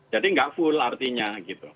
jadi nggak full artinya gitu